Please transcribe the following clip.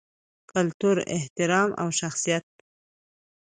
کلتور، احترام او شخصیت